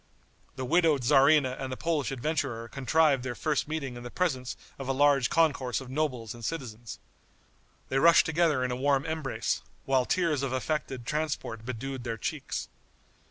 The widowed tzarina and the Polish adventurer contrived their first meeting in the presence of a large concourse of nobles and citizens. They rushed together in a warm embrace, while tears of affected transport bedewed their cheeks.